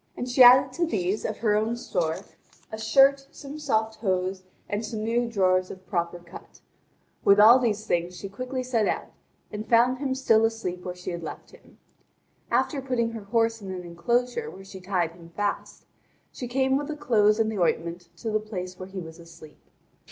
And she added to these, of her own store, a shirt, some soft hose, and some new drawers of proper cut. With all these things she quickly set out, and found him still asleep where she had left him. After putting her horse in an enclosure where she tied him fast, she came with the clothes and the ointment to the place where he was asleep.